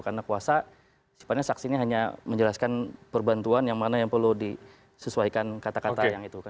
karena kuasa saksinya hanya menjelaskan perbantuan yang mana yang perlu disesuaikan kata kata yang itu